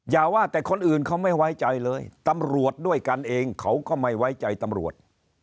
อย่าว่าแต่คนอื่นเขาไม่ไว้ใจเลยตำรวจด้วยกันเองเขาก็ไม่ไว้ใจตำรวจ